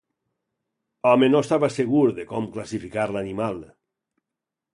Home no estava segur de com classificar l'animal.